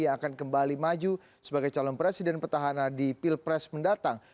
yang akan kembali maju sebagai calon presiden petahana di pilpres mendatang